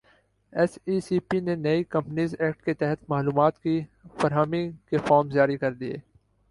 S E C P نے نئے companies act کے تحت معلومات کی فراہمی کے فارمز جاری کردیئے